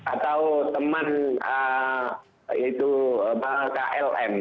atau teman klm